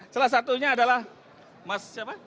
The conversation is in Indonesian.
salah satunya adalah mas siapa